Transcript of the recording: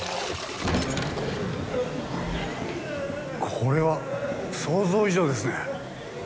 これは想像以上ですね。